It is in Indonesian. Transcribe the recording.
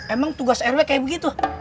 emang tugas rw kayak begitu